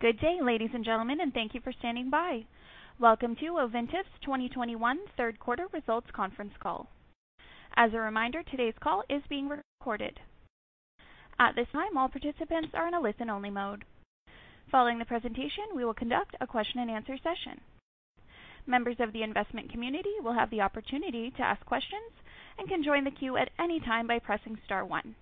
Good day, ladies and gentlemen, and thank you for standing by. Welcome to Ovintiv's 2021 third quarter results conference call. As a reminder, today's call is being recorded. At this time, all participants are in a listen-only mode. Following the presentation, we will conduct a question-and-answer session. Members of the investment community will have the opportunity to ask questions and can join the queue at any time by pressing star one.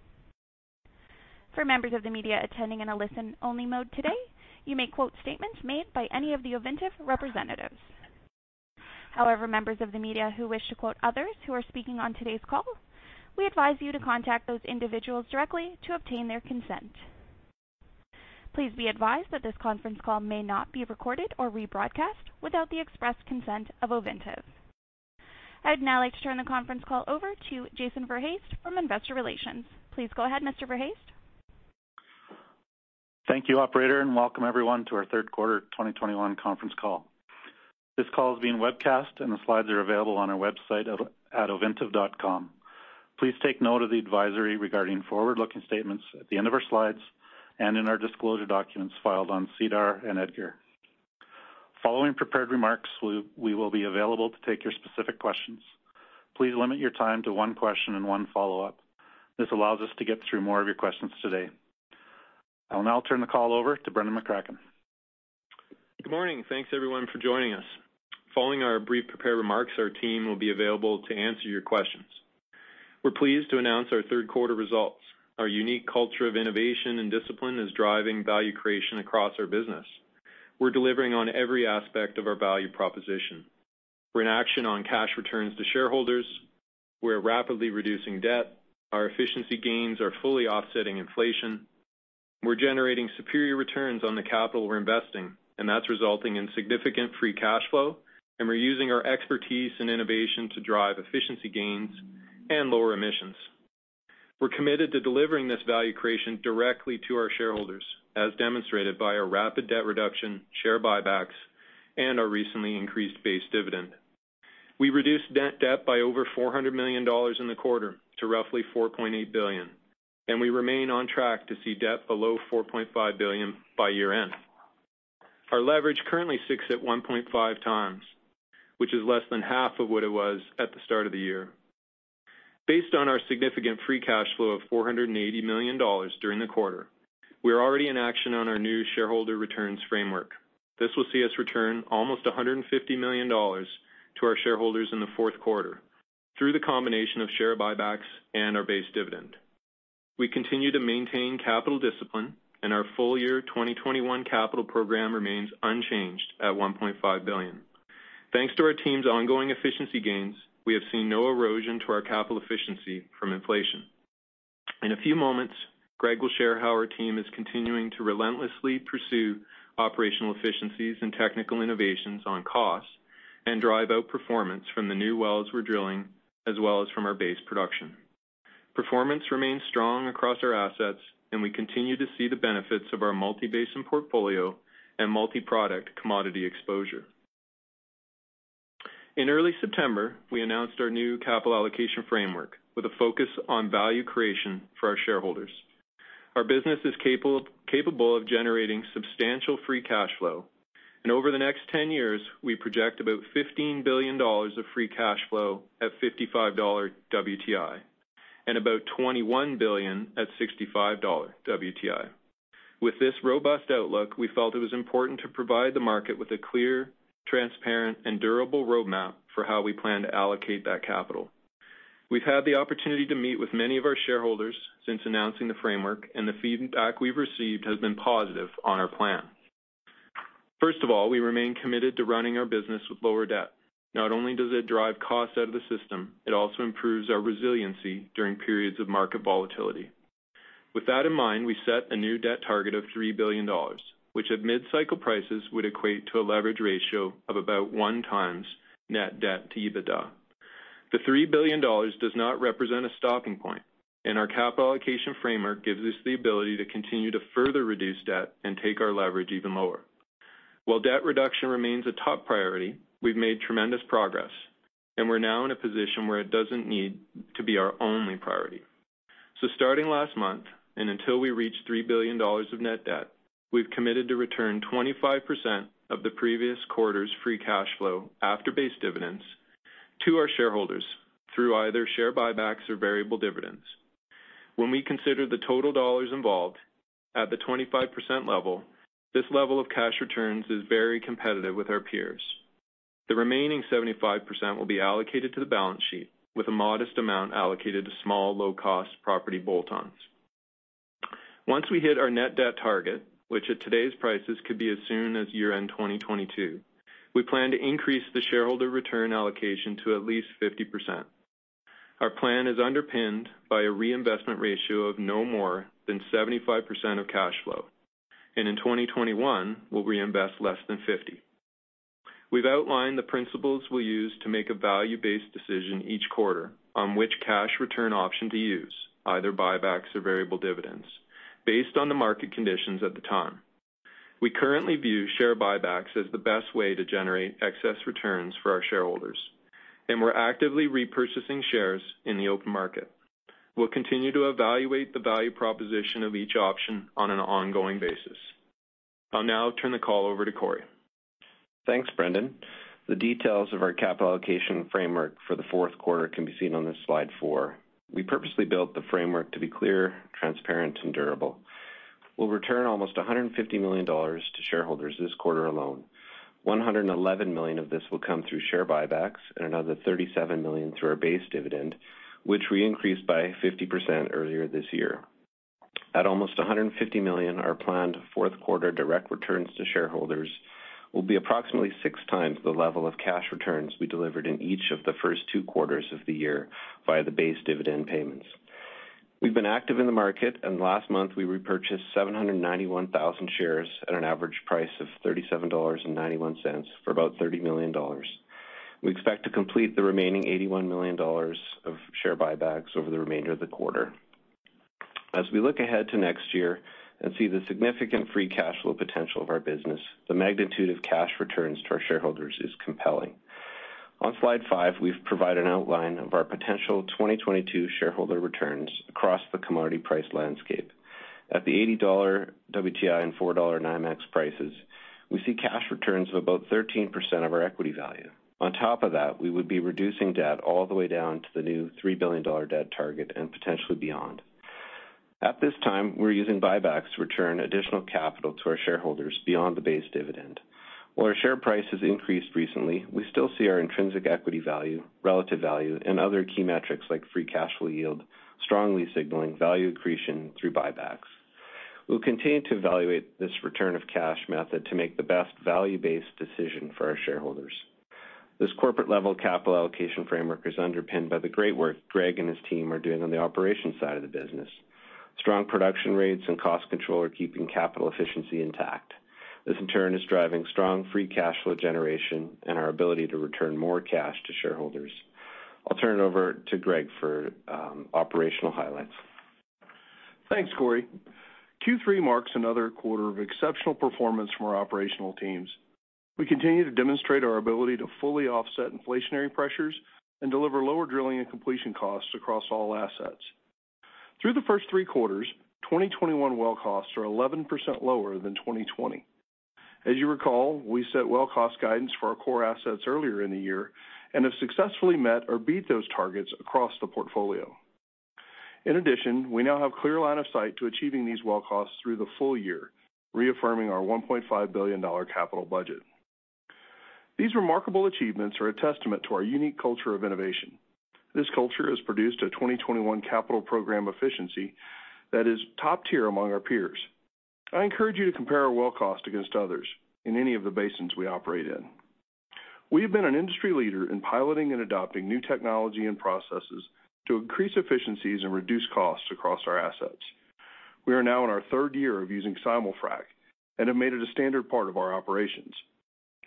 For members of the media attending in a listen-only mode today, you may quote statements made by any of the Ovintiv representatives. However, members of the media who wish to quote others who are speaking on today's call, we advise you to contact those individuals directly to obtain their consent. Please be advised that this conference call may not be recorded or rebroadcast without the express consent of Ovintiv. I'd now like to turn the conference call over to Jason Verhaest from Investor Relations. Please go ahead, Mr. Verhaest. Thank you, operator, and welcome everyone to our third quarter 2021 conference call. This call is being webcast, and the slides are available on our website at ovintiv.com. Please take note of the advisory regarding forward-looking statements at the end of our slides and in our disclosure documents filed on SEDAR and EDGAR. Following prepared remarks, we will be available to take your specific questions. Please limit your time to one question and one follow-up. This allows us to get through more of your questions today. I'll now turn the call over to Brendan McCracken. Good morning. Thanks, everyone, for joining us. Following our brief prepared remarks, our team will be available to answer your questions. We're pleased to announce our third quarter results. Our unique culture of innovation and discipline is driving value creation across our business. We're delivering on every aspect of our value proposition. We're in action on cash returns to shareholders. We're rapidly reducing debt. Our efficiency gains are fully offsetting inflation. We're generating superior returns on the capital we're investing, and that's resulting in significant free cash flow. We're using our expertise and innovation to drive efficiency gains and lower emissions. We're committed to delivering this value creation directly to our shareholders, as demonstrated by our rapid debt reduction, share buybacks, and our recently increased base dividend. We reduced net debt by over $400 million in the quarter to roughly $4.8 billion, and we remain on track to see debt below $4.5 billion by year-end. Our leverage currently stands at 1.5 times, which is less than half of what it was at the start of the year. Based on our significant free cash flow of $480 million during the quarter, we're already in action on our new shareholder returns framework. This will see us return almost $150 million to our shareholders in the fourth quarter through the combination of share buybacks and our base dividend. We continue to maintain capital discipline, and our full year 2021 capital program remains unchanged at $1.5 billion. Thanks to our team's ongoing efficiency gains, we have seen no erosion to our capital efficiency from inflation. In a few moments, Greg will share how our team is continuing to relentlessly pursue operational efficiencies and technical innovations on cost and drive out performance from the new wells we're drilling, as well as from our base production. Performance remains strong across our assets, and we continue to see the benefits of our multi-basin portfolio and multi-product commodity exposure. In early September, we announced our new capital allocation framework with a focus on value creation for our shareholders. Our business is capable of generating substantial free cash flow, and over the next 10 years, we project about $15 billion of free cash flow at $55 WTI and about $21 billion at $65 WTI. With this robust outlook, we felt it was important to provide the market with a clear, transparent, and durable roadmap for how we plan to allocate that capital. We've had the opportunity to meet with many of our shareholders since announcing the framework, and the feedback we've received has been positive on our plan. First of all, we remain committed to running our business with lower debt. Not only does it drive costs out of the system, it also improves our resiliency during periods of market volatility. With that in mind, we set a new debt target of $3 billion, which at mid-cycle prices would equate to a leverage ratio of about one times net debt to EBITDA. The $3 billion does not represent a stopping point, and our capital allocation framework gives us the ability to continue to further reduce debt and take our leverage even lower. While debt reduction remains a top priority, we've made tremendous progress, and we're now in a position where it doesn't need to be our only priority. Starting last month, and until we reach $3 billion of net debt, we've committed to return 25% of the previous quarter's free cash flow after base dividends to our shareholders through either share buybacks or variable dividends. When we consider the total dollars involved at the 25% level, this level of cash returns is very competitive with our peers. The remaining 75% will be allocated to the balance sheet with a modest amount allocated to small, low-cost property bolt-ons. Once we hit our net debt target, which at today's prices could be as soon as year-end 2022, we plan to increase the shareholder return allocation to at least 50%. Our plan is underpinned by a reinvestment ratio of no more than 75% of cash flow, and in 2021, we'll reinvest less than 50%. We've outlined the principles we'll use to make a value-based decision each quarter on which cash return option to use, either buybacks or variable dividends, based on the market conditions at the time. We currently view share buybacks as the best way to generate excess returns for our shareholders, and we're actively repurchasing shares in the open market. We'll continue to evaluate the value proposition of each option on an ongoing basis. I'll now turn the call over to Corey. Thanks, Brendan. The details of our capital allocation framework for the fourth quarter can be seen on this slide four. We purposely built the framework to be clear, transparent, and durable. We'll return almost $150 million to shareholders this quarter alone. $111 million of this will come through share buybacks and another $37 million through our base dividend, which we increased by 50% earlier this year. At almost $150 million, our planned fourth-quarter direct returns to shareholders will be approximately six times the level of cash returns we delivered in each of the first two quarters of the year via the base dividend payments. We've been active in the market, and last month, we repurchased 791,000 shares at an average price of $37.91 for about $30 million. We expect to complete the remaining $81 million of share buybacks over the remainder of the quarter. As we look ahead to next year and see the significant free cash flow potential of our business, the magnitude of cash returns to our shareholders is compelling. On slide five, we've provided an outline of our potential 2022 shareholder returns across the commodity price landscape. At the $80 WTI and $4 NYMEX prices, we see cash returns of about 13% of our equity value. On top of that, we would be reducing debt all the way down to the new $3 billion debt target and potentially beyond. At this time, we're using buybacks to return additional capital to our shareholders beyond the base dividend. While our share price has increased recently, we still see our intrinsic equity value, relative value, and other key metrics like free cash flow yield, strongly signaling value accretion through buybacks. We'll continue to evaluate this return of cash method to make the best value-based decision for our shareholders. This corporate-level capital allocation framework is underpinned by the great work Greg and his team are doing on the operations side of the business. Strong production rates and cost control are keeping capital efficiency intact. This, in turn, is driving strong free cash flow generation and our ability to return more cash to shareholders. I'll turn it over to Greg for operational highlights. Thanks, Corey. Q3 marks another quarter of exceptional performance from our operational teams. We continue to demonstrate our ability to fully offset inflationary pressures and deliver lower drilling and completion costs across all assets. Through the first three quarters, 2021 well costs are 11% lower than 2020. As you recall, we set well cost guidance for our core assets earlier in the year and have successfully met or beat those targets across the portfolio. In addition, we now have clear line of sight to achieving these well costs through the full year, reaffirming our $1.5 billion capital budget. These remarkable achievements are a testament to our unique culture of innovation. This culture has produced a 2021 capital program efficiency that is top tier among our peers. I encourage you to compare our well cost against others in any of the basins we operate in. We have been an industry leader in piloting and adopting new technology and processes to increase efficiencies and reduce costs across our assets. We are now in our third year of using SimulFrac and have made it a standard part of our operations.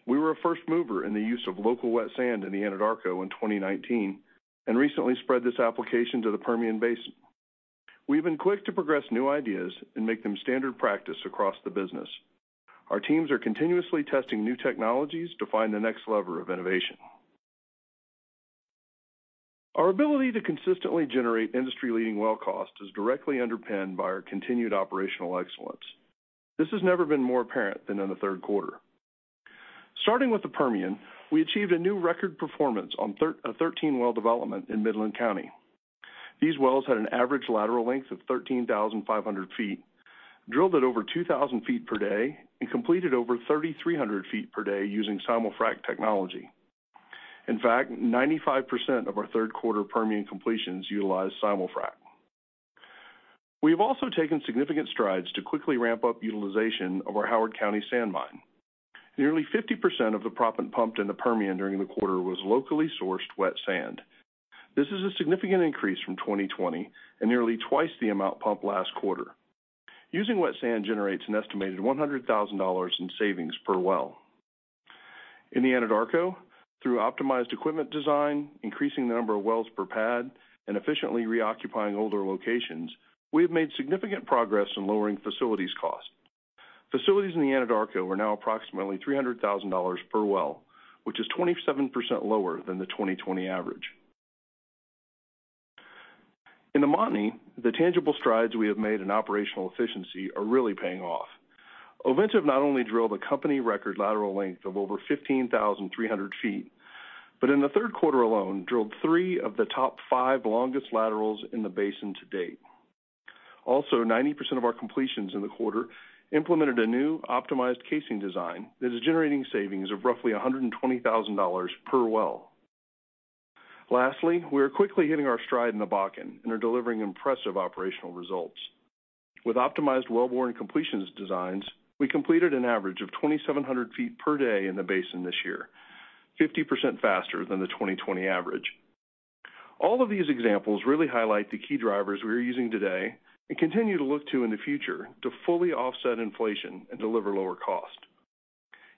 We were a first mover in the use of local wet sand in the Anadarko in 2019 and recently spread this application to the Permian Basin. We've been quick to progress new ideas and make them standard practice across the business. Our teams are continuously testing new technologies to find the next level of innovation. Our ability to consistently generate industry-leading well cost is directly underpinned by our continued operational excellence. This has never been more apparent than in the third quarter. Starting with the Permian, we achieved a new record performance on a 13-well development in Midland County. These wells had an average lateral length of 13,500 ft, drilled at over 2,000 ft per day and completed over 3,300 ft per day using SimulFrac technology. In fact, 95% of our third quarter Permian completions utilized SimulFrac. We have also taken significant strides to quickly ramp up utilization of our Howard County sand mine. Nearly 50% of the proppant pumped in the Permian during the quarter was locally sourced wet sand. This is a significant increase from 2020 and nearly twice the amount pumped last quarter. Using wet sand generates an estimated $100,000 in savings per well. In the Anadarko, through optimized equipment design, increasing the number of wells per pad, and efficiently reoccupying older locations, we have made significant progress in lowering facilities cost. Facilities in the Anadarko are now approximately $300,000 per well, which is 27% lower than the 2020 average. In the Montney, the tangible strides we have made in operational efficiency are really paying off. Ovintiv not only drilled a company record lateral length of over 15,300 ft, but in the third quarter alone, drilled three of the top five longest laterals in the basin to date. Also, 90% of our completions in the quarter implemented a new optimized casing design that is generating savings of roughly $120,000 per well. Lastly, we are quickly hitting our stride in the Bakken and are delivering impressive operational results. With optimized wellbore and completion designs, we completed an average of 2,700 ft per day in the basin this year, 50% faster than the 2020 average. All of these examples really highlight the key drivers we are using today and continue to look to in the future to fully offset inflation and deliver lower cost.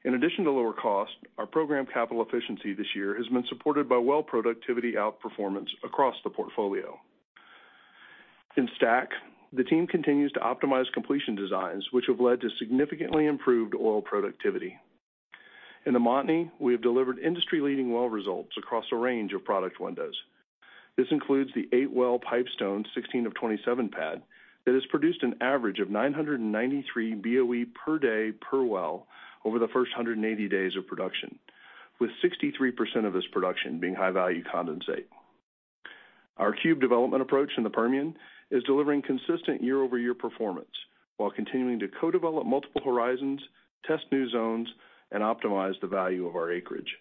In addition to lower cost, our program capital efficiency this year has been supported by well productivity outperformance across the portfolio. In STACK, the team continues to optimize completion designs, which have led to significantly improved oil productivity. In the Montney, we have delivered industry-leading well results across a range of product windows. This includes the eight-well Pipestone 16 - 27 pad that has produced an average of 993 BOE per day per well over the first 180 days of production, with 63% of this production being high-value condensate. Our cube development approach in the Permian is delivering consistent year-over-year performance while continuing to co-develop multiple horizons, test new zones, and optimize the value of our acreage.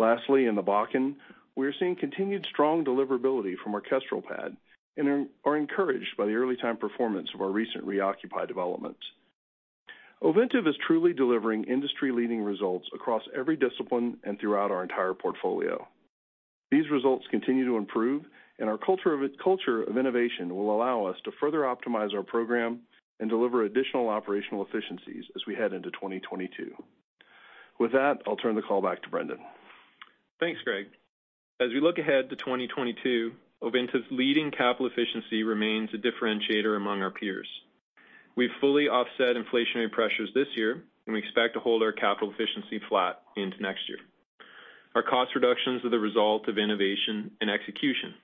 Lastly, in the Bakken, we are seeing continued strong deliverability from our Kestrel pad and are encouraged by the early time performance of our recent reoccupy developments. Ovintiv is truly delivering industry-leading results across every discipline and throughout our entire portfolio. These results continue to improve, and our culture of innovation will allow us to further optimize our program and deliver additional operational efficiencies as we head into 2022. With that, I'll turn the call back to Brendan. Thanks, Greg. As we look ahead to 2022, Ovintiv's leading capital efficiency remains a differentiator among our peers. We've fully offset inflationary pressures this year, and we expect to hold our capital efficiency flat into next year. Our cost reductions are the result of innovation and execution.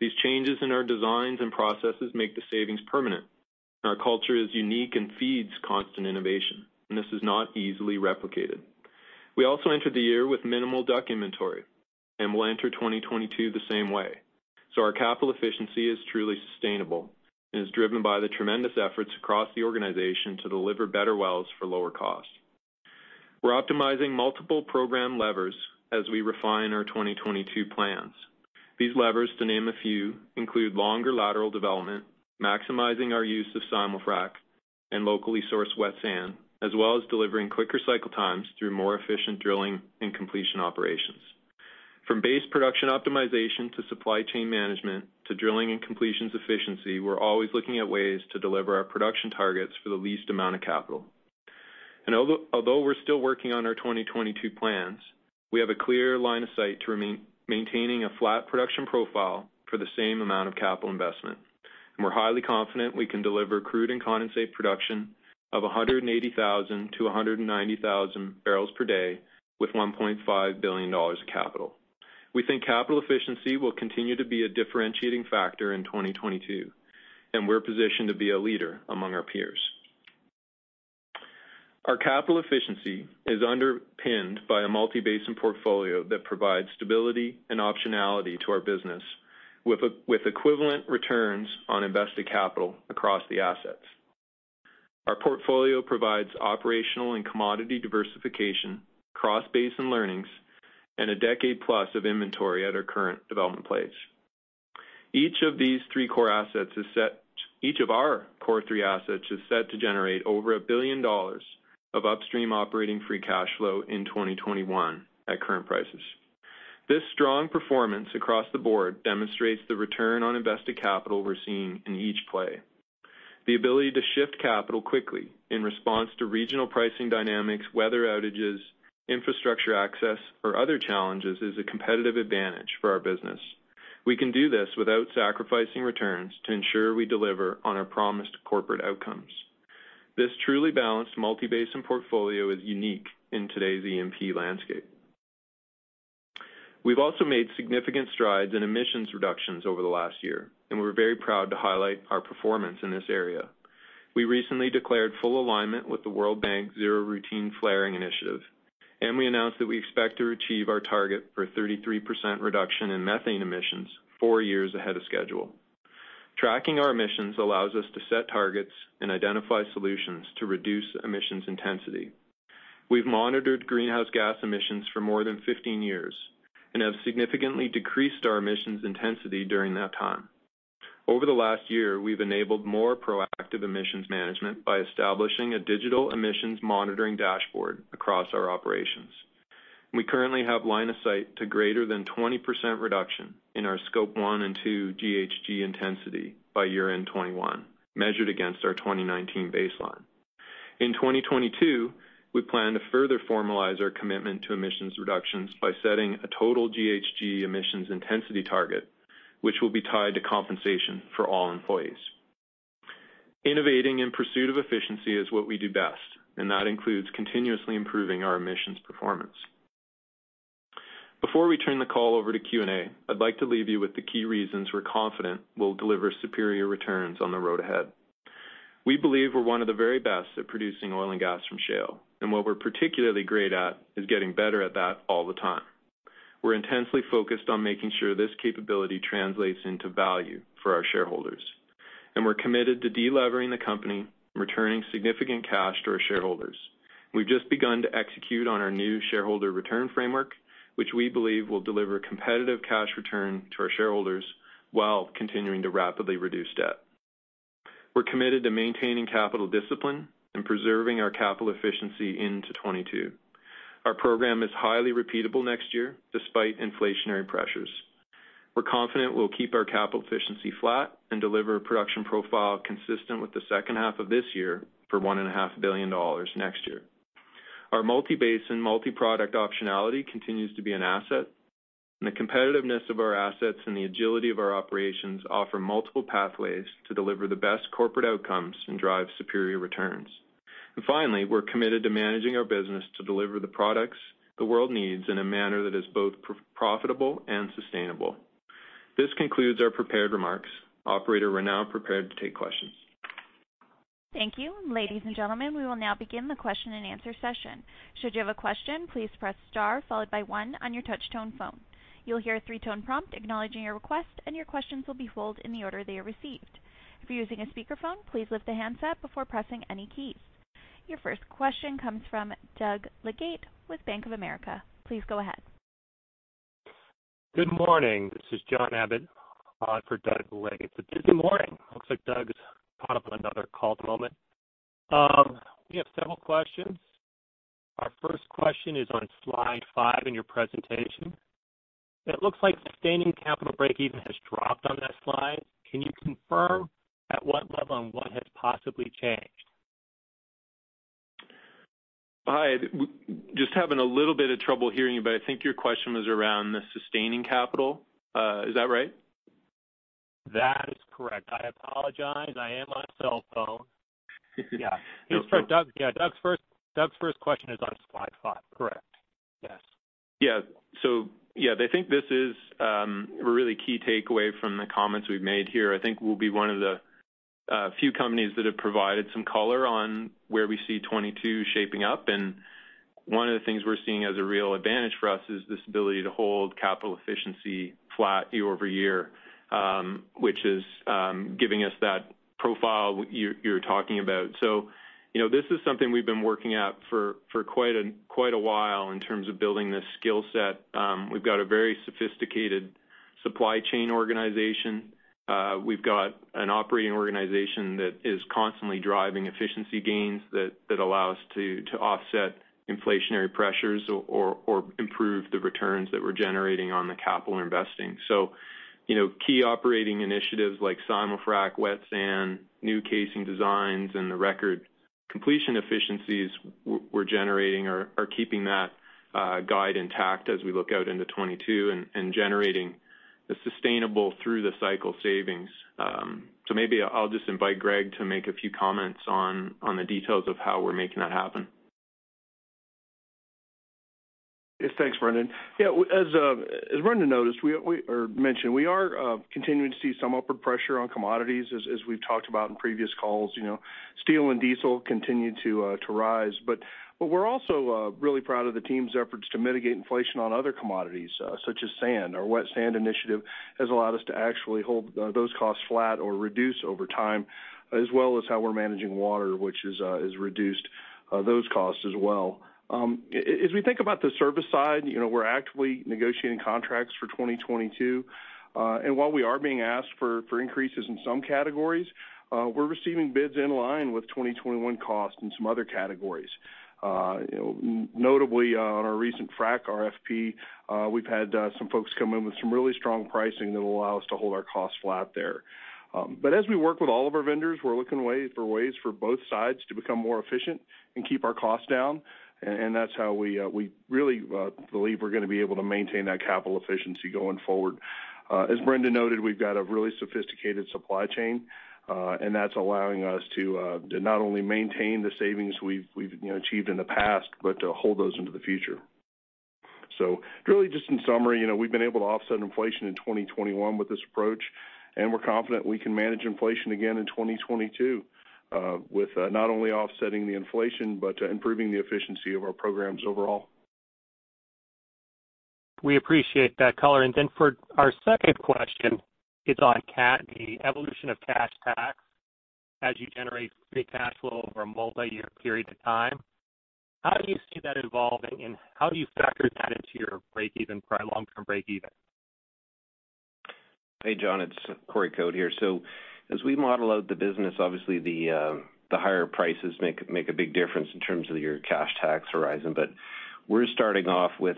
These changes in our designs and processes make the savings permanent. Our culture is unique and feeds constant innovation, and this is not easily replicated. We also entered the year with minimal DUC inventory, and we'll enter 2022 the same way. Our capital efficiency is truly sustainable and is driven by the tremendous efforts across the organization to deliver better wells for lower costs. We're optimizing multiple program levers as we refine our 2022 plans. These levers, to name a few, include longer lateral development, maximizing our use of SimulFrac and locally sourced wet sand, as well as delivering quicker cycle times through more efficient drilling and completion operations. From base production optimization to supply chain management to drilling and completions efficiency, we're always looking at ways to deliver our production targets for the least amount of capital. Although we're still working on our 2022 plans, we have a clear line of sight to maintaining a flat production profile for the same amount of capital investment. We're highly confident we can deliver crude and condensate production of 180,000-190,000 bbl per day with $1.5 billion of capital. We think capital efficiency will continue to be a differentiating factor in 2022, and we're positioned to be a leader among our peers. Our capital efficiency is underpinned by a multi-basin portfolio that provides stability and optionality to our business with equivalent returns on invested capital across the assets. Our portfolio provides operational and commodity diversification, cross-basin learnings, and a decade-plus of inventory at our current development pace. Each of our core three assets is set to generate over $1 billion of upstream operating free cash flow in 2021 at current prices. This strong performance across the board demonstrates the return on invested capital we're seeing in each play. The ability to shift capital quickly in response to regional pricing dynamics, weather outages, infrastructure access, or other challenges is a competitive advantage for our business. We can do this without sacrificing returns to ensure we deliver on our promised corporate outcomes. This truly balanced multi-basin portfolio is unique in today's E&P landscape. We've also made significant strides in emissions reductions over the last year, and we're very proud to highlight our performance in this area. We recently declared full alignment with the World Bank's Zero Routine Flaring by 2030 initiative, and we announced that we expect to achieve our target for 33% reduction in methane emissions four years ahead of schedule. Tracking our emissions allows us to set targets and identify solutions to reduce emissions intensity. We've monitored greenhouse gas emissions for more than 15 years and have significantly decreased our emissions intensity during that time. Over the last year, we've enabled more proactive emissions management by establishing a digital emissions monitoring dashboard across our operations. We currently have line of sight to greater than 20% reduction in our Scope 1 - 2 GHG intensity by year-end 2021, measured against our 2019 baseline. In 2022, we plan to further formalize our commitment to emissions reductions by setting a total GHG emissions intensity target, which will be tied to compensation for all employees. Innovating in pursuit of efficiency is what we do best, and that includes continuously improving our emissions performance. Before we turn the call over to Q&A, I'd like to leave you with the key reasons we're confident we'll deliver superior returns on the road ahead. We believe we're one of the very best at producing oil and gas from shale, and what we're particularly great at is getting better at that all the time. We're intensely focused on making sure this capability translates into value for our shareholders, and we're committed to de-levering the company, returning significant cash to our shareholders. We've just begun to execute on our new shareholder return framework, which we believe will deliver competitive cash return to our shareholders while continuing to rapidly reduce debt. We're committed to maintaining capital discipline and preserving our capital efficiency into 2022. Our program is highly repeatable next year despite inflationary pressures. We're confident we'll keep our capital efficiency flat and deliver a production profile consistent with the second half of this year for $1.5 billion next year. Our multi-basin, multi-product optionality continues to be an asset, and the competitiveness of our assets and the agility of our operations offer multiple pathways to deliver the best corporate outcomes and drive superior returns. Finally, we're committed to managing our business to deliver the products the world needs in a manner that is both profitable and sustainable. This concludes our prepared remarks. Operator, we're now prepared to take questions. Thank you. Ladies and gentlemen, we will now begin the question-and-answer session. Should you have a question, please press star followed by one on your touch-tone phone. You'll hear a three-tone prompt acknowledging your request, and your questions will be held in the order they are received. If you're using a speakerphone, please lift the handset before pressing any keys. Your first question comes from Doug Leggate with Bank of America. Please go ahead. Good morning. This is John Abbott for Doug Leggate. It's a busy morning. Looks like Doug's caught up on another call at the moment. We have several questions. Our first question is on slide five in your presentation. It looks like sustaining capital breakeven has dropped on that slide. Can you confirm at what level and what has possibly changed? Hi. Just having a little bit of trouble hearing you, but I think your question was around the sustaining capital. Is that right? That is correct. I apologize. I am on a cell phone. Yeah. No problem. Doug's first question is on slide five, correct. Yes. Yeah, I think this is a really key takeaway from the comments we've made here. I think we'll be one of the few companies that have provided some color on where we see 2022 shaping up. One of the things we're seeing as a real advantage for us is this ability to hold capital efficiency flat year-over-year, which is giving us that profile you're talking about. You know, this is something we've been working at for quite a while in terms of building this skill set. We've got a very sophisticated supply chain organization. We've got an operating organization that is constantly driving efficiency gains that allow us to offset inflationary pressures or improve the returns that we're generating on the capital investing. You know, key operating initiatives like SimulFrac, wet sand, new casing designs, and the record completion efficiencies we're generating are keeping that guide intact as we look out into 2022 and generating the sustainable through the cycle savings. Maybe I'll just invite Greg to make a few comments on the details of how we're making that happen. Yes, thanks, Brendan. Yeah, as Brendan noticed or mentioned, we are continuing to see some upward pressure on commodities as we've talked about in previous calls. You know, steel and diesel continue to rise. We're also really proud of the team's efforts to mitigate inflation on other commodities, such as sand. Our wet sand initiative has allowed us to actually hold those costs flat or reduce over time, as well as how we're managing water, which has reduced those costs as well. As we think about the service side, you know, we're actively negotiating contracts for 2022. While we are being asked for increases in some categories, we're receiving bids in line with 2021 costs in some other categories. Notably on our recent frac RFP, we've had some folks come in with some really strong pricing that will allow us to hold our costs flat there. As we work with all of our vendors, we're looking for ways for both sides to become more efficient and keep our costs down. That's how we really believe we're gonna be able to maintain that capital efficiency going forward. As Brendan noted, we've got a really sophisticated supply chain, and that's allowing us to not only maintain the savings we've you know achieved in the past, but to hold those into the future. Really just in summary, you know, we've been able to offset inflation in 2021 with this approach, and we're confident we can manage inflation again in 2022 with not only offsetting the inflation, but improving the efficiency of our programs overall. We appreciate that color. For our second question is on the evolution of cash tax as you generate free cash flow over a multi-year period of time. How do you see that evolving, and how do you factor that into your breakeven, long-term breakeven? Hey, John, it's Corey Code here. As we model out the business, obviously, the higher prices make a big difference in terms of your cash tax horizon. We're starting off with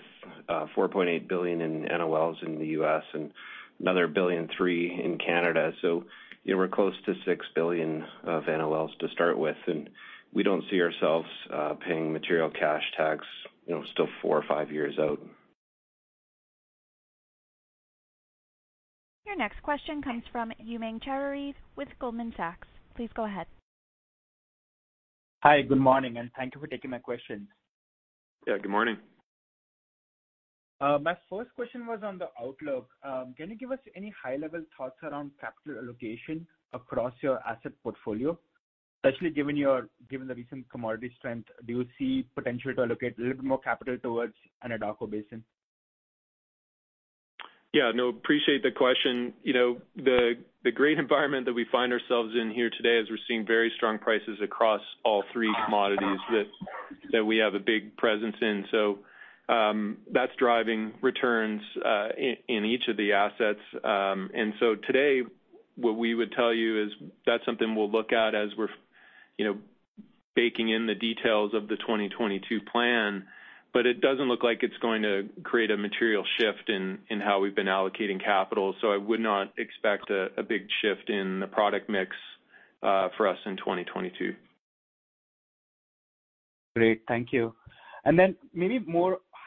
$4.8 billion in NOLs in the U.S. and another $1.3 billion in Canada. We're close to $6 billion of NOLs to start with, and we don't see ourselves paying material cash tax, you know, still four or five years out. Your next question comes from Umang Choudhary with Goldman Sachs. Please go ahead. Hi, good morning, and thank you for taking my questions. Yeah, good morning. My first question was on the outlook. Can you give us any high-level thoughts around capital allocation across your asset portfolio, especially given the recent commodity strength? Do you see potential to allocate a little more capital towards Anadarko Basin? Yeah, no, appreciate the question. You know, the great environment that we find ourselves in here today is we're seeing very strong prices across all three commodities that we have a big presence in. That's driving returns in each of the assets. Today, what we would tell you is that's something we'll look at as we're, you know, baking in the details of the 2022 plan, but it doesn't look like it's going to create a material shift in how we've been allocating capital. I would not expect a big shift in the product mix for us in 2022. Great. Thank you.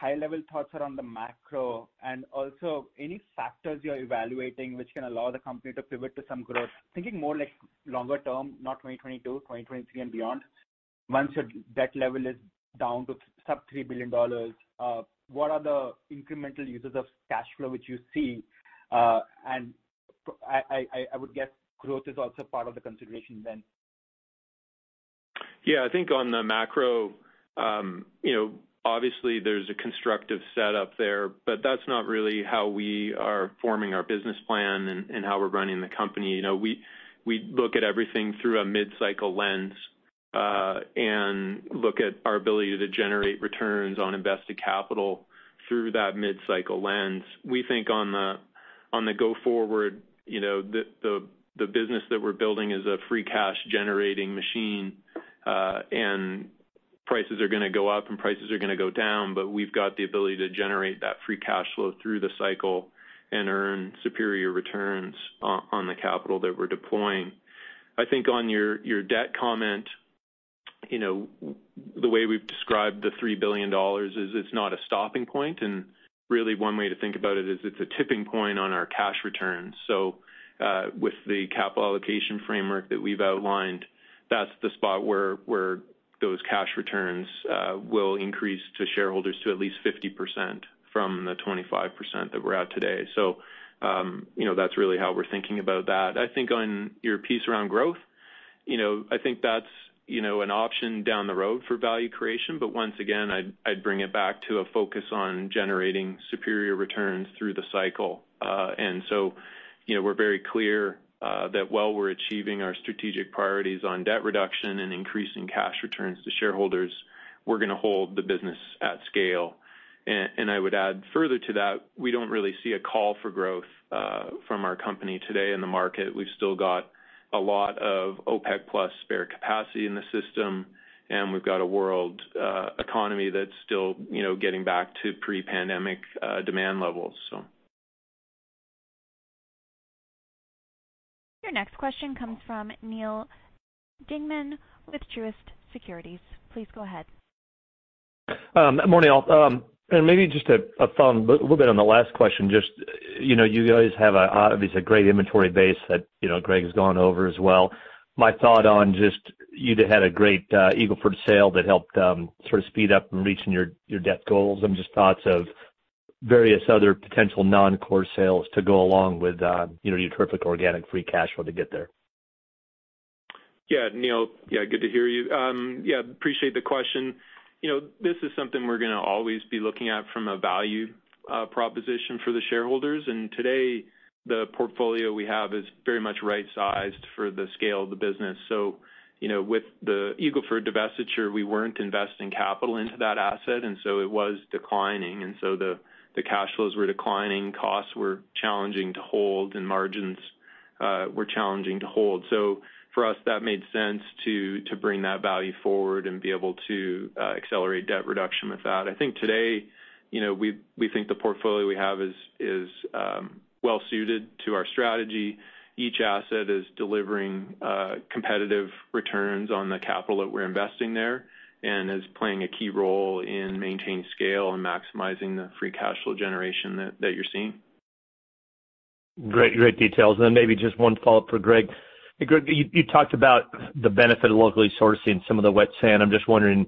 Then maybe more high-level thoughts around the macro and also any factors you're evaluating which can allow the company to pivot to some growth. Thinking more like longer term, not 2022, 2023 and beyond. Once your debt level is down to sub-$3 billion, what are the incremental uses of cash flow which you see? I would guess growth is also part of the consideration then. Yeah, I think on the macro, you know, obviously there's a constructive setup there, but that's not really how we are forming our business plan and how we're running the company. You know, we look at everything through a mid-cycle lens and look at our ability to generate returns on invested capital through that mid-cycle lens. We think on the go forward, you know, the business that we're building is a free cash generating machine and prices are gonna go up and prices are gonna go down, but we've got the ability to generate that free cash flow through the cycle and earn superior returns on the capital that we're deploying. I think on your debt comment, you know, the way we've described the $3 billion is it's not a stopping point. Really one way to think about it is it's a tipping point on our cash returns. With the capital allocation framework that we've outlined, that's the spot where those cash returns will increase to shareholders to at least 50% from the 25% that we're at today. That's really how we're thinking about that. I think on your piece around growth, you know, I think that's, you know, an option down the road for value creation, but once again, I'd bring it back to a focus on generating superior returns through the cycle. You know, we're very clear that while we're achieving our strategic priorities on debt reduction and increasing cash returns to shareholders, we're gonna hold the business at scale. I would add further to that, we don't really see a call for growth from our company today in the market. We've still got a lot of OPEC plus spare capacity in the system, and we've got a world economy that's still, you know, getting back to pre-pandemic demand levels. Your next question comes from Neal Dingmann with Truist Securities. Please go ahead. Morning all. Maybe just a follow-on a little bit on the last question. Just, you know, you guys have a obviously a great inventory base that, you know, Greg has gone over as well. My thought on just you had a great Eagle Ford sale that helped sort of speed up in reaching your debt goals and just thoughts of various other potential non-core sales to go along with, you know, your terrific organic free cash flow to get there. Yeah, Neal. Yeah, good to hear you. Yeah, appreciate the question. You know, this is something we're gonna always be looking at from a value proposition for the shareholders. Today, the portfolio we have is very much right-sized for the scale of the business. You know, with the Eagle Ford divestiture, we weren't investing capital into that asset, and so it was declining. The cash flows were declining, costs were challenging to hold, and margins were challenging to hold. For us, that made sense to bring that value forward and be able to accelerate debt reduction with that. I think today, you know, we think the portfolio we have is well suited to our strategy. Each asset is delivering competitive returns on the capital that we're investing there and is playing a key role in maintaining scale and maximizing the free cash flow generation that you're seeing. Great. Great details. Then maybe just one follow-up for Greg. Greg, you talked about the benefit of locally sourcing some of the wet sand. I'm just wondering,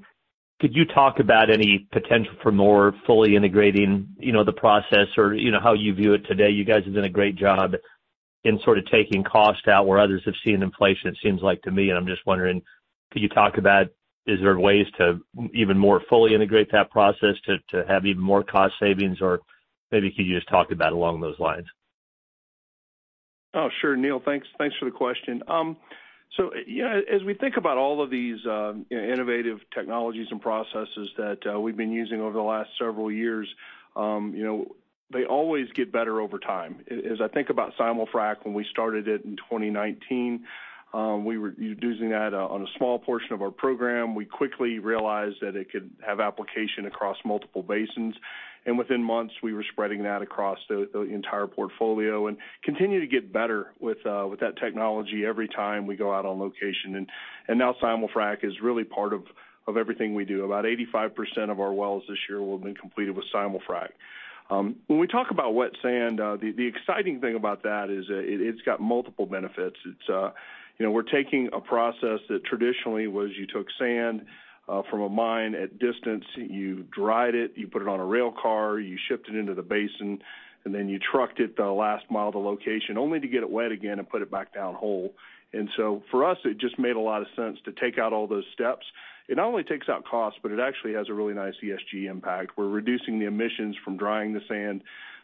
could you talk about any potential for more fully integrating, you know, the process or, you know, how you view it today? You guys have done a great job in sort of taking cost out where others have seen inflation, it seems like to me. I'm just wondering, could you talk about is there ways to even more fully integrate that process to have even more cost savings? Or maybe could you just talk about along those lines? Oh, sure. Neal, thanks for the question. So, you know, as we think about all of these innovative technologies and processes that we've been using over the last several years, you know, they always get better over time. As I think about SimulFrac, when we started it in 2019, we were using that on a small portion of our program. We quickly realized that it could have application across multiple basins, and within months, we were spreading that across the entire portfolio and continue to get better with that technology every time we go out on location. Now SimulFrac is really part of everything we do. About 85% of our wells this year will have been completed with SimulFrac. When we talk about wet sand, the exciting thing about that is, it's got multiple benefits. It's, you know, we're taking a process that traditionally was, you took sand from a mine at distance, you dried it, you put it on a rail car, you shipped it into the basin, and then you trucked it the last mile to location, only to get it wet again and put it back down hole. For us, it just made a lot of sense to take out all those steps. It not only takes out cost, but it actually has a really nice ESG impact. We're reducing the emissions from drying the sand,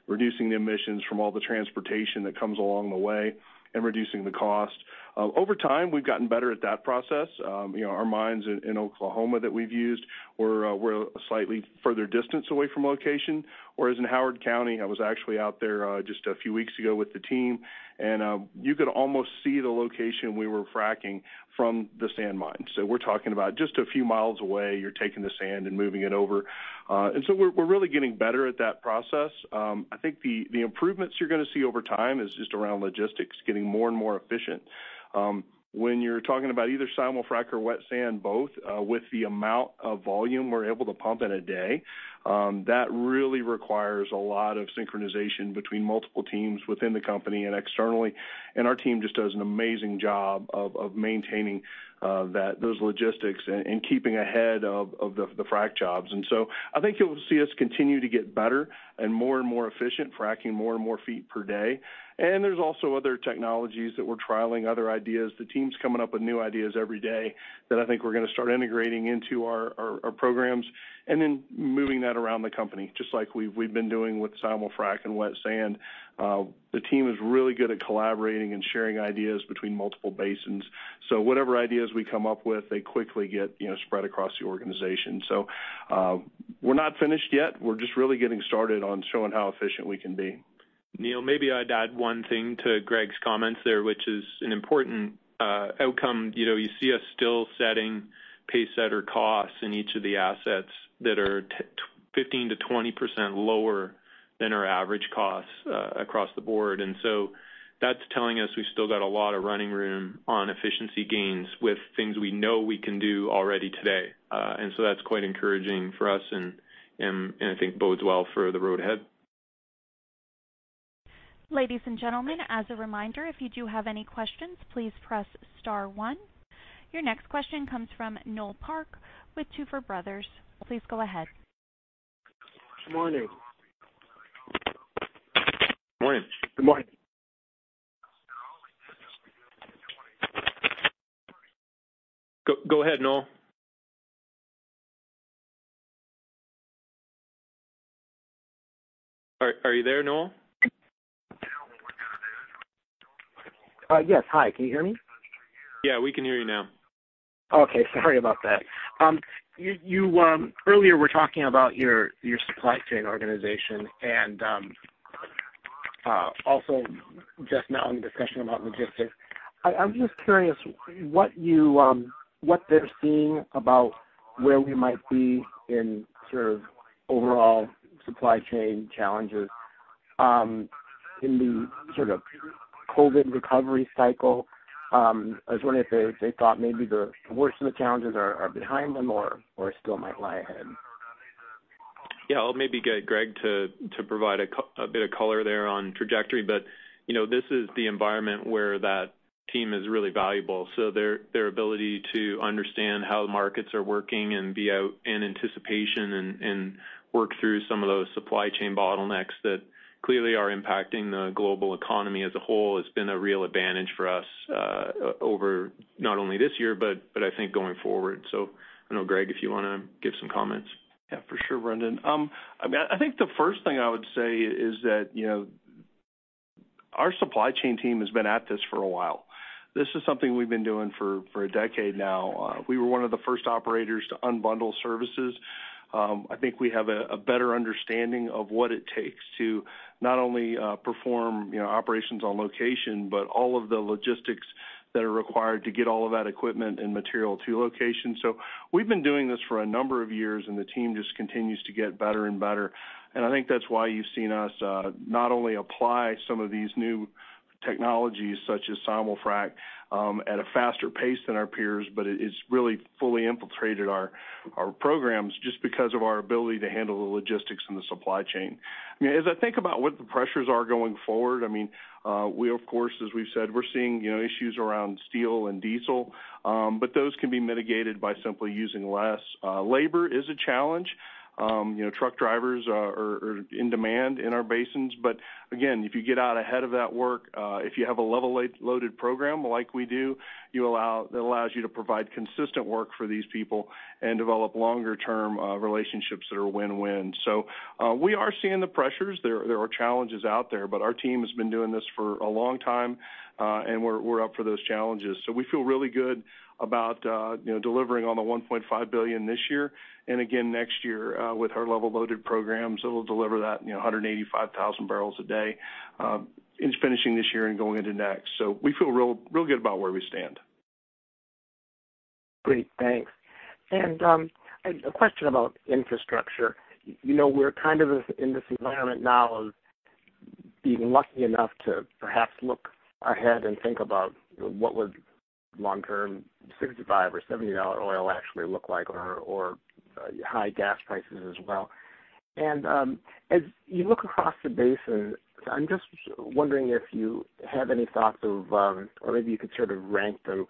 reducing the emissions from all the transportation that comes along the way, and reducing the cost. Over time, we've gotten better at that process. You know, our mines in Oklahoma that we've used were a slightly further distance away from location, whereas in Howard County, I was actually out there just a few weeks ago with the team, and you could almost see the location we were fracking from the sand mine. We're talking about just a few miles away, you're taking the sand and moving it over. We're really getting better at that process. I think the improvements you're gonna see over time is just around logistics getting more and more efficient. When you're talking about either SimulFrac or wet sand, both with the amount of volume we're able to pump in a day, that really requires a lot of synchronization between multiple teams within the company and externally. Our team just does an amazing job of maintaining those logistics and keeping ahead of the frac jobs. I think you'll see us continue to get better and more and more efficient, fracking more and more feet per day. There's also other technologies that we're trialing, other ideas. The team's coming up with new ideas every day that I think we're gonna start integrating into our programs, and then moving that around the company, just like we've been doing with SimulFrac and wet sand. The team is really good at collaborating and sharing ideas between multiple basins. Whatever ideas we come up with, they quickly get you know spread across the organization. We're not finished yet. We're just really getting started on showing how efficient we can be. Neal, maybe I'd add one thing to Greg's comments there, which is an important outcome. You know, you see us still setting pacesetter costs in each of the assets that are 15%-20% lower than our average costs across the board. That's telling us we still got a lot of running room on efficiency gains with things we know we can do already today. That's quite encouraging for us and I think bodes well for the road ahead. Ladies and gentlemen, as a reminder, if you do have any questions, please press star one. Your next question comes from Noel Parks with Tuohy Brothers. Please go ahead. Good morning. Morning. Good morning. Go ahead, Noel. Are you there, Noel? Yes. Hi, can you hear me? Yeah, we can hear you now. Okay. Sorry about that. You earlier were talking about your supply chain organization and also just now in discussion about logistics. I'm just curious what they're seeing about where we might be in sort of overall supply chain challenges in the sort of COVID recovery cycle. I was wondering if they thought maybe the worst of the challenges are behind them or still might lie ahead. Yeah, I'll maybe get Greg to provide a bit of color there on trajectory. You know, this is the environment where that team is really valuable. Their ability to understand how the markets are working and be out in anticipation and work through some of those supply chain bottlenecks that clearly are impacting the global economy as a whole has been a real advantage for us over not only this year, but I think going forward. I don't know, Greg, if you wanna give some comments. Yeah, for sure, Brendan. I mean, I think the first thing I would say is that, you know, our supply chain team has been at this for a while. This is something we've been doing for a decade now. We were one of the first operators to unbundle services. I think we have a better understanding of what it takes to not only perform, you know, operations on location, but all of the logistics that are required to get all of that equipment and material to location. We've been doing this for a number of years, and the team just continues to get better and better. I think that's why you've seen us not only apply some of these new technologies, such as SimulFrac, at a faster pace than our peers, but it's really fully infiltrated our programs just because of our ability to handle the logistics and the supply chain. I mean, as I think about what the pressures are going forward, I mean, we of course, as we've said, we're seeing, you know, issues around steel and diesel, but those can be mitigated by simply using less. Labor is a challenge. You know, truck drivers are in demand in our basins, but again, if you get out ahead of that work, if you have a level loaded program like we do, it allows you to provide consistent work for these people and develop longer term relationships that are win-win. We are seeing the pressures. There are challenges out there, but our team has been doing this for a long time, and we're up for those challenges. We feel really good about, you know, delivering on the $1.5 billion this year and again next year, with our level loaded programs. We'll deliver that, you know, 185,000 b a day, in finishing this year and going into next. We feel real good about where we stand. Great. Thanks. A question about infrastructure. You know, we're kind of in this environment now of being lucky enough to perhaps look ahead and think about what would long-term $65 - $70 oil actually look like or high gas prices as well. As you look across the basin, I'm just wondering if you have any thoughts of or maybe you could sort of rank them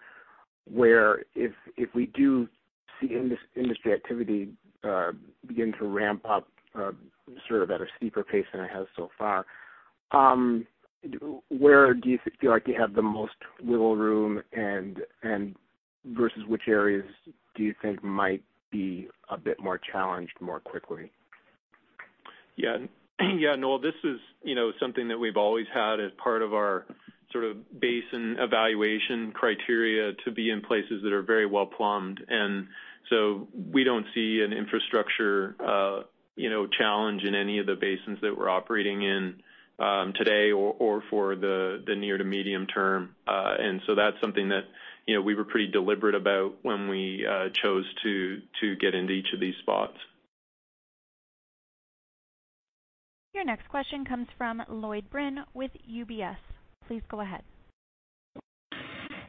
where if we do see industry activity begin to ramp up sort of at a steeper pace than it has so far, where do you feel like you have the most wiggle room and versus which areas do you think might be a bit more challenged more quickly? Yeah. Yeah, Noel, this is, you know, something that we've always had as part of our sort of basin evaluation criteria, to be in places that are very well plumbed. We don't see an infrastructure, you know, challenge in any of the basins that we're operating in, today or for the near to medium term. That's something that, you know, we were pretty deliberate about when we chose to get into each of these spots. Your next question comes from Lloyd Byrne with UBS. Please go ahead.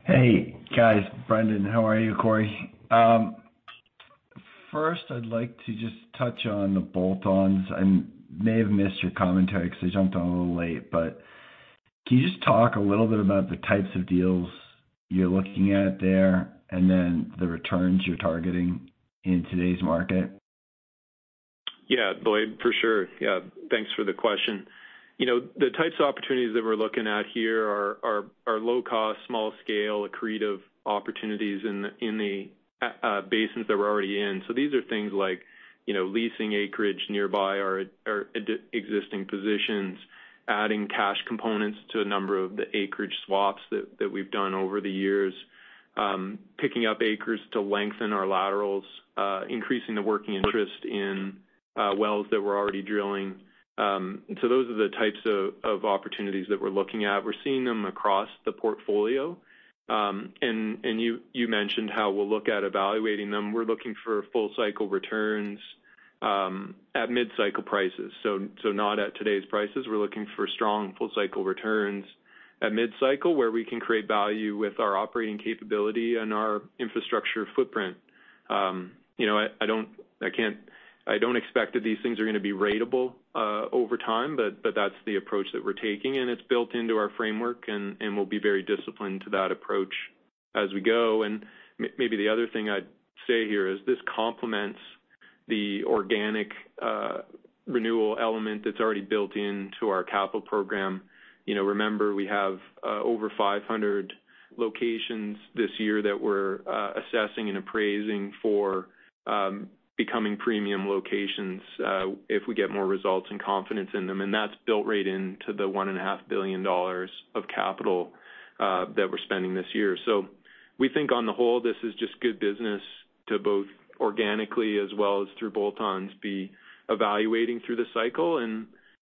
Hey, guys. Brendan, how are you, Corey? First, I'd like to just touch on the bolt-ons. I may have missed your commentary 'cause I jumped on a little late, but can you just talk a little bit about the types of deals you're looking at there, and then the returns you're targeting in today's market? Yeah. Lloyd, for sure. Yeah, thanks for the question. You know, the types of opportunities that we're looking at here are low-cost, small scale, accretive opportunities in the basins that we're already in. These are things like, you know, leasing acreage nearby or existing positions, adding cash components to a number of the acreage swaps that we've done over the years, picking up acres to lengthen our laterals, increasing the working interest in wells that we're already drilling. Those are the types of opportunities that we're looking at. We're seeing them across the portfolio. And you mentioned how we'll look at evaluating them. We're looking for full cycle returns at mid-cycle prices, so not at today's prices. We're looking for strong full cycle returns at mid-cycle, where we can create value with our operating capability and our infrastructure footprint. I don't expect that these things are gonna be ratable over time, but that's the approach that we're taking, and it's built into our framework, and we'll be very disciplined to that approach as we go. Maybe the other thing I'd say here is this complements the organic renewal element that's already built into our capital program. Remember, we have over 500 locations this year that we're assessing and appraising for becoming premium locations, if we get more results and confidence in them, and that's built right into the $1.5 billion of capital that we're spending this year. We think on the whole, this is just good business to both organically as well as through bolt-ons, be evaluating through the cycle.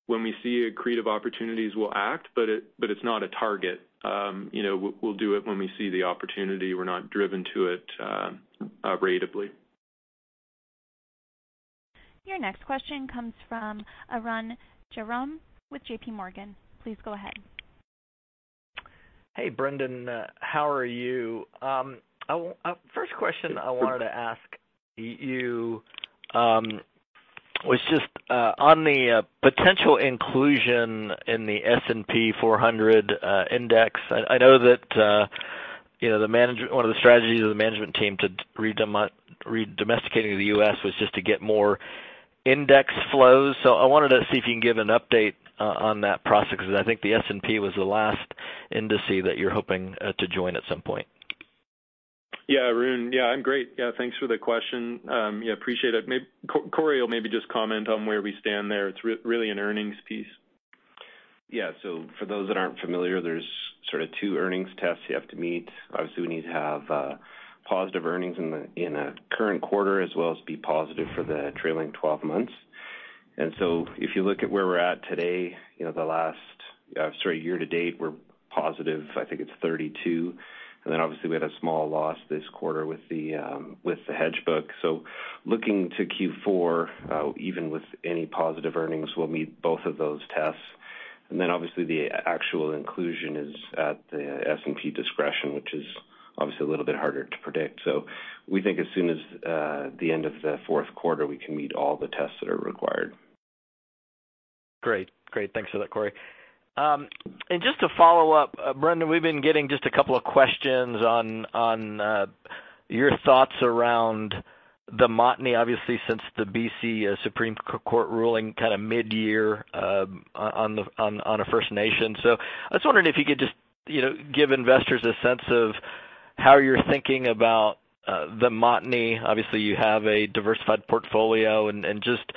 When we see accretive opportunities, we'll act, but it's not a target. You know, we'll do it when we see the opportunity. We're not driven to it, ratably. Your next question comes from Arun Jayaram with JP Morgan. Please go ahead. Hey, Brendan. How are you? First question I wanted to ask you was just on the potential inclusion in the S&P 400 index. I know that, you know, one of the strategies of the management team to redomiciling to the U.S. was just to get more index flows. I wanted to see if you can give an update on that process, 'cause I think the S&P 400 was the last index that you're hoping to join at some point. Yeah. Arun, yeah, I'm great. Yeah, thanks for the question. Yeah, appreciate it. Corey will maybe just comment on where we stand there. It's really an earnings piece. Yeah. For those that aren't familiar, there's sort of two earnings tests you have to meet. Obviously, we need to have positive earnings in a current quarter as well as be positive for the trailing twelve months. If you look at where we're at today, you know, year to date, we're positive. I think it's $32. Obviously we had a small loss this quarter with the hedge book. Looking to Q4, even with any positive earnings, we'll meet both of those tests. Obviously the actual inclusion is at the S&P discretion, which is obviously a little bit harder to predict. We think as soon as the end of the fourth quarter, we can meet all the tests that are required. Great. Thanks for that, Corey. Just to follow up, Brendan, we've been getting just a couple of questions on your thoughts around the Montney, obviously since the BC Supreme Court ruling kind of mid-year, on a First Nation. I was wondering if you could just, you know, give investors a sense of how you're thinking about the Montney. Obviously, you have a diversified portfolio and just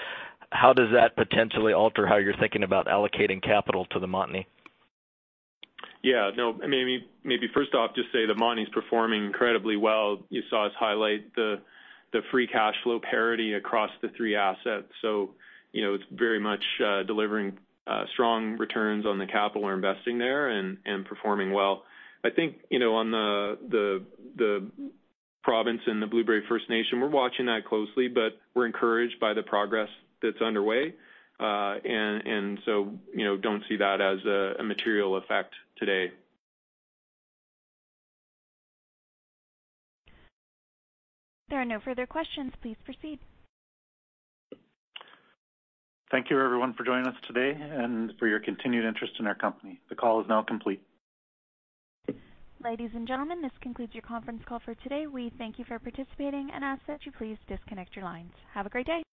how does that potentially alter how you're thinking about allocating capital to the Montney? Yeah. No, maybe first off, just say the Montney is performing incredibly well. You saw us highlight the free cash flow parity across the three assets. You know, it's very much delivering strong returns on the capital we're investing there and performing well. I think, you know, on the province and the Blueberry River First Nations, we're watching that closely, but we're encouraged by the progress that's underway. You know, don't see that as a material effect today. There are no further questions. Please proceed. Thank you everyone for joining us today and for your continued interest in our company. The call is now complete. Ladies and gentlemen, this concludes your conference call for today. We thank you for participating and ask that you please disconnect your lines. Have a great day.